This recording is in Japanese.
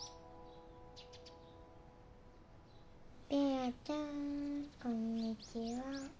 べあちゃんこんにちは。